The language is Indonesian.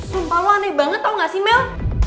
sumpah lo aneh banget tau gak sih mel